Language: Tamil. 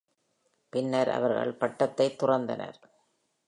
பின்னர் அவர்கள் பட்டத்தை துறந்தனர்.